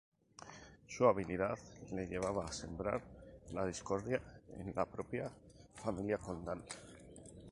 Su habilidad le lleva a sembrar la discordia en la propia familia condal.